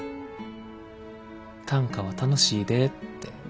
短歌は楽しいでってことかな。